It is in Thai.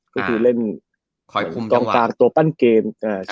คือเล่นกลางตัวปั้นเกม